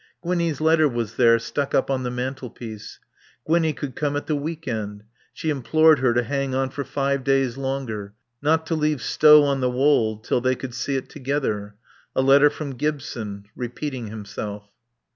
Gwinnie's letter was there, stuck up on the mantel piece. Gwinnie could come at the week end; she implored her to hang on for five days longer, not to leave Stow on the Wold till they could see it together. A letter from Gibson, repeating himself.